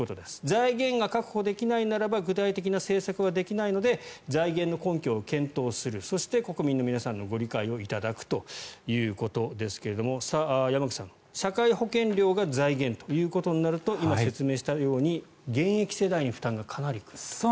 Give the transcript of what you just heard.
財源が確保できないならば具体的な政策はできないので財源の根拠を検討するそして、国民の皆さんのご理解を頂くということですが山口さん、社会保険料が財源ということになると今、説明したように現役世代に負担がかなり来ると。